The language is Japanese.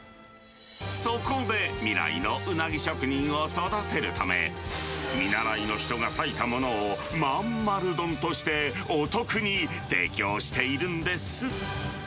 そこで未来のウナギ職人を育てるため、見習いの人が割いたものをまんまる丼としてお得に提供しているんです。